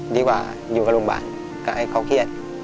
ดีกว่าอยู่กับโรงพยาบาลก็ให้เขาเครียด